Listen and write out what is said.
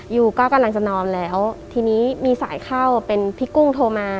ยูก็กำลังจะนอนแล้วทีนี้มีสายเข้าเป็นพี่กุ้งโทรมา